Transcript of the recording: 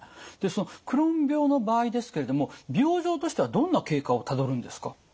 でそのクローン病の場合ですけれども病状としてはどんな経過をたどるんですか？